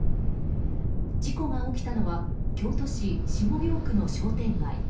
事故が起きたのは京都市下京区の商店街。